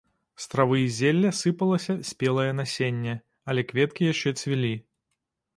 З травы і зелля сыпалася спелае насенне, але кветкі яшчэ цвілі.